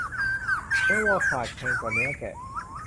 เนื้อวัวขาดแคลนกว่าเนื้อแกะ